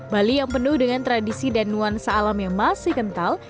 bali yang penuh dengan tradisi dan nuansa alam yang masih kental